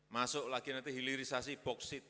masuk lagi nanti hilirisasi boksit